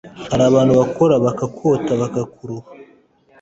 hari abantu bakora bakikota, bakaruha